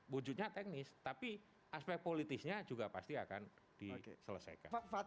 wujudnya teknis tapi aspek politisnya juga pasti akan diselesaikan